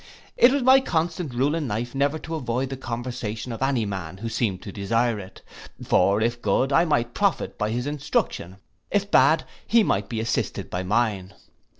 It was my constant rule in life never to avoid the conversation of any man who seemed to desire it: for if good, I might profit by his instruction; if bad, he might be assisted by mine.